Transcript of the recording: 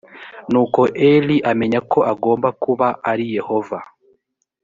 nuko eli amenya ko agomba kuba ari yehova